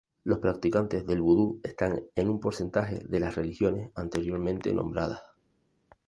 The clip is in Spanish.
Los practicantes del vudú están en un porcentaje de las religiones anteriormente nombradas.